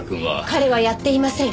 彼はやっていません。